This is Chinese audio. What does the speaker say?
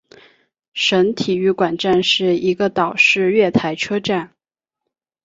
省体育馆站是一个岛式月台车站。